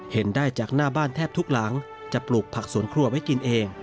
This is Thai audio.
เห็นได้จากหน้าบ้านแทบทุกหลังจะปลูกผักสวนครัวไว้กินเอง